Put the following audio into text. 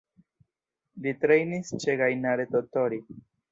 Li trejnis ĉe Gainare Tottori.